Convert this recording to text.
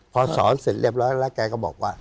พอสอนเสร็จเรียบร้อยแล้วแกก็บอกว่า